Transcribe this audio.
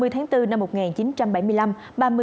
hai mươi tháng bốn năm một nghìn chín trăm bảy mươi năm